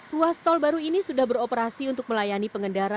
ruas tol baru ini sudah beroperasi untuk melayani pengendara